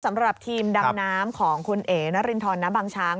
สำหรับทีมดำน้ำของคุณเอ๋นรินทรน้ำบางช้าง